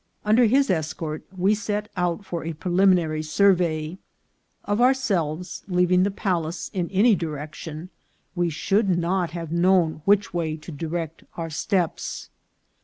Under his escort we set out for a preliminary survey. Of ourselves, leaving the palace, in any direction, we should not have known which way to direct our steps.